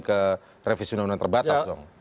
ke revisi undang undang terbatas dong